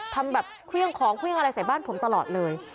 ทำแบบเครื่องของเครื่องอะไรใส่บ้านผมตลอดเลย